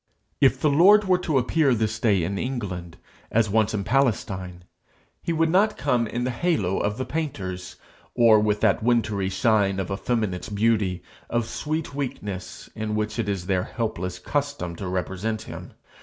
If the Lord were to appear this day in England as once in Palestine, he would not come in the halo of the painters, or with that wintry shine of effeminate beauty, of sweet weakness, in which it is their helpless custom to represent him.